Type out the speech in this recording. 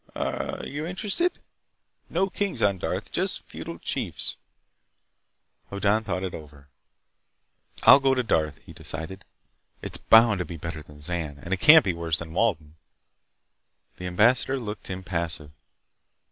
Are you interested? No kings on Darth, just feudal chiefs." Hoddan thought it over. "I'll go to Darth," he decided. "It's bound to be better than Zan, and it can't be worse than Walden." The ambassador looked impassive.